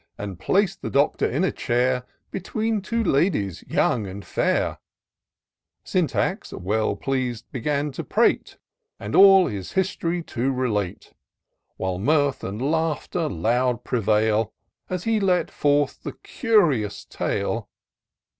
And plac'd the Doctor in a chair, Between two ladies, young and fair. IN SEARCH OF THB PICTURESQUB. 71 Syntax, well pleas'd, began to prate, And all his history to relate ; While mirth and laughter loud prevail, As he let forth the curious tale.